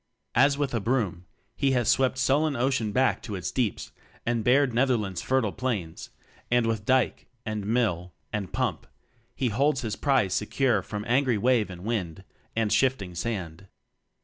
As with a broom, he has swept sul len ocean back to its deeps and bared Netherland's fertile plains; and with dyke, and mill, and pump he holds his prize secure from angry wave and wind and shifting sand.